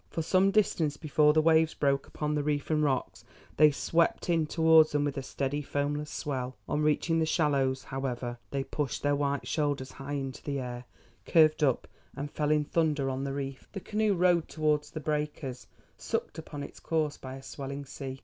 For some distance before the waves broke upon the reef and rocks they swept in towards them with a steady foamless swell. On reaching the shallows, however, they pushed their white shoulders high into the air, curved up and fell in thunder on the reef. The canoe rode towards the breakers, sucked upon its course by a swelling sea.